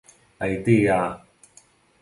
Haití, ah...